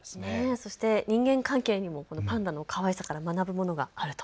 そして人間関係にもパンダのかわいさから学ぶものがあると。